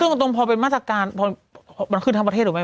ซึ่งตรงพอเป็นมาตรการพอมันขึ้นทั้งประเทศถูกไหม